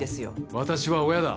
私は親だ。